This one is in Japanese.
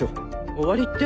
終わりって？